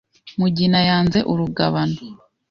Mugina yanze urugabano